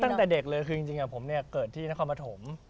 ตั้งแต่เด็กเลยคือจริงผมเกิดที่นครมะถม